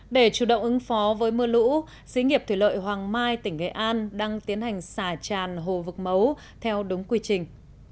để chủ động ứng phó với mưa lũ xí nghiệp thủy lợi hoàng mai tỉnh nghệ an đang tiến hành xả tràn hồ vực mấu theo đúng quy trình